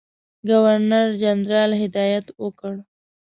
ګورنرجنرال هدایت ورکړ.